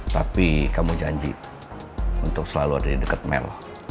tapi kamu janji untuk selalu ada di dekat mel